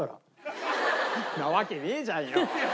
んなわけねえじゃんよ！